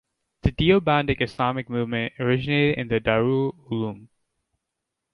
The Deobandi Islamic movement originated in the Darul Uloom.